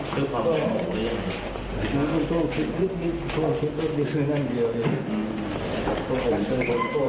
คือความแรงของคุณ